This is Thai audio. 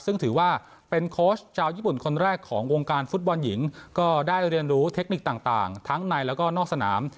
ซึ่งถือว่าเป็นโค้ชชาวญี่ปุ่นคนแรกของวงการฟุตบอลหญิงก็ได้เรียนรู้เทคนิคต่างทั้งในแล้วก็นอกสนาม